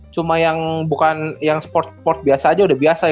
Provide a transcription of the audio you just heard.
cuma yang bukan yang sport sport biasa aja udah biasa ya